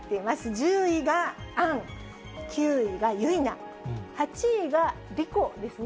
１０位が杏、９位が結菜、８位は莉子ですね。